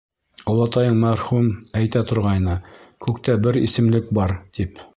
— Олатайың мәрхүм әйтә торғайны, күктә бер исемлек бар, тип...